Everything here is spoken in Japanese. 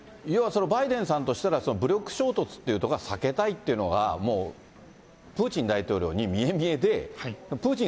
いわゆるバイデンさんとしたら、武力衝突というところは避けたいというのは、もう、プーチン大統領に見え見えで、